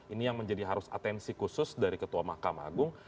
ini yang menjadi harus atensi khusus dari ketua mahkamah agung